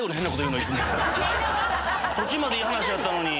途中までいい話やったのに。